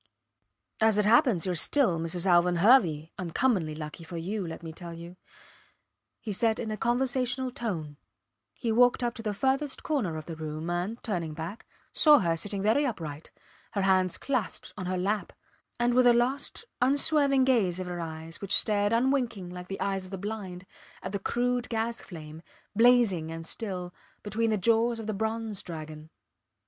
As it happens you are still Mrs. Alvan Hervey uncommonly lucky for you, let me tell you, he said in a conversational tone. He walked up to the furthest corner of the room, and, turning back, saw her sitting very upright, her hands clasped on her lap, and with a lost, unswerving gaze of her eyes which stared unwinking like the eyes of the blind, at the crude gas flame, blazing and still, between the jaws of the bronze dragon.